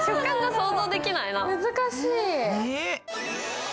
難しい。